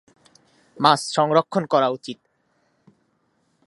মাছ সংরক্ষণ করা উচিত।